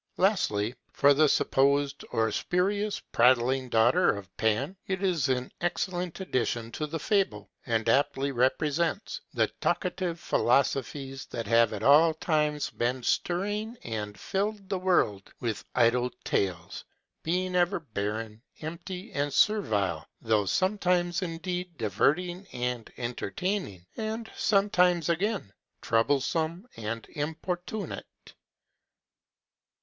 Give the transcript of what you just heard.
Lastly, for the supposed or spurious prattling daughter of Pan, it is an excellent addition to the fable, and aptly represents the talkative philosophies that have at all times been stirring, and filled the world with idle tales; being ever barren, empty, and servile, though sometimes indeed diverting and entertaining, and sometimes again troublesome and importunate.